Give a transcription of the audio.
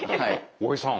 大江さん